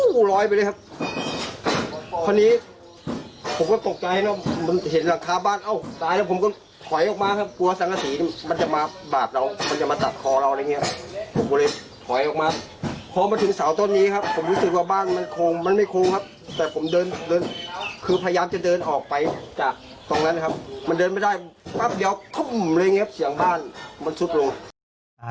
มันเห็นหลังคาบ้านอ้าวตายแล้วผมก็ถอยออกมาครับกลัวสังฆสีมันจะมาบาปเรามันจะมาตัดคอเราอะไรอย่างนี้ครับผมก็เลยถอยออกมาพอมาถึงเสาร์ตอนนี้ครับผมรู้สึกว่าบ้านมันโครงมันไม่โครงครับแต่ผมเดินคือพยายามจะเดินออกไปจากตรงนั้นครับมันเดินไม่ได้ปั๊บเดี๋ยวทุ่มเลยอย่างนี้ครับเสียงบ้านมันซุดลง